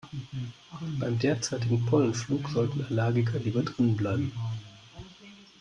Beim derzeitigen Pollenflug sollten Allergiker lieber drinnen bleiben.